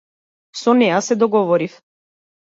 Со неа се договорив.